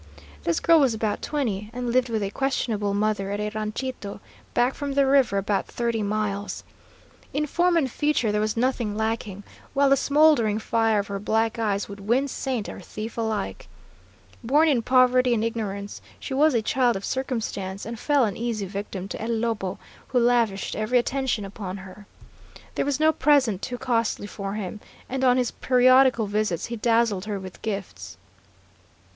This girl was about twenty, and lived with a questionable mother at a ranchito back from the river about thirty miles. In form and feature there was nothing lacking, while the smouldering fire of her black eyes would win saint or thief alike. Born in poverty and ignorance, she was a child of circumstance, and fell an easy victim to El Lobo, who lavished every attention upon her. There was no present too costly for him, and on his periodical visits he dazzled her with gifts.